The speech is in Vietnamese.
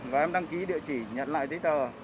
và em đăng ký địa chỉ nhận lại giấy tờ